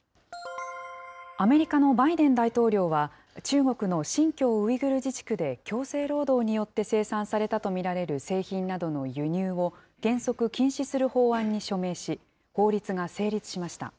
アメリカのバイデン大統領は、中国の新疆ウイグル自治区で強制労働によって生産されたと見られる製品などの輸入を、原則禁止する法案に署名し、法律が成立しました。